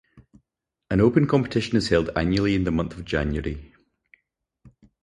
An open competition is held annually in the month of January.